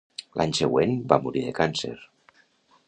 L'any següent, va morir de càncer.